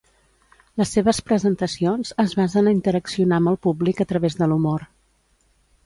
Les seves presentacions es basen a interaccionar amb el públic a través de l'humor.